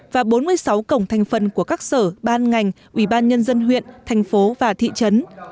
và bốn mươi sáu cổng thành phần của các sở ban ngành ủy ban nhân dân huyện thành phố và thị trấn